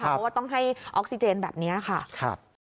เพราะว่าต้องให้ออกซิเจนแบบนี้ค่ะ